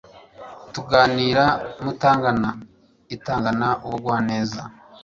tunganirwa mutangana itangana ubugwaneza